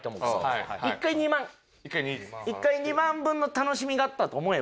１回２万分の楽しみがあったと思えば。